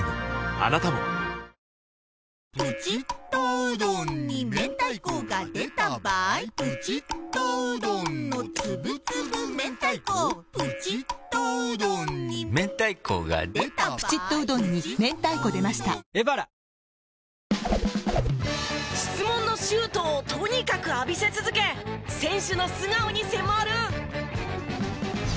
あなたも質問のシュートをとにかく浴びせ続け選手の素顔に迫る。